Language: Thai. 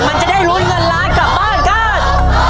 มันจะได้ลุ้นเงินล้านกลับบ้านกัน